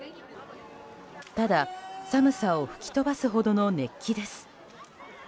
ただ、寒さを吹き飛ばすほどの熱気です。